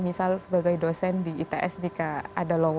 wah salah tawar saya inside out ten checking lo